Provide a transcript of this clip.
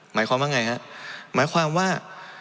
หมายความเป็นไงครับหมายความว่า